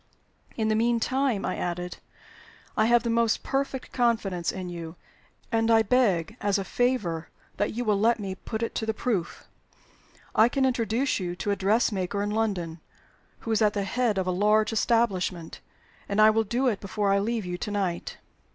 "In the mean time," I added, "I have the most perfect confidence in you; and I beg as a favor that you will let me put it to the proof. I can introduce you to a dressmaker in London who is at the head of a large establishment, and I will do it before I leave you to night."